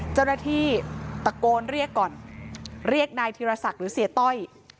เจ้าหน้าที่ตะโกนเรียกก่อนเรียกนายธีรศักดิ์หรือเสียต้อย